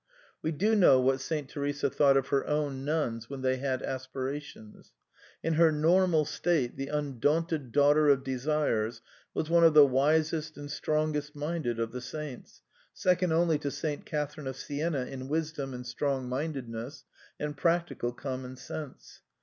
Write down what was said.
We do know what Saint Teresa thought of her own nuns when they had aspirations. In her normal state the " un daunted daughter of desires " was one of the wisest and strongest minded of the saints, second only to Saint Catha rine of Siena in wisdom and strongmindedness and prac tical common sense.